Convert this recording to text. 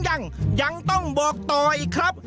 ยังยังต้องบอกต่ออีกครับ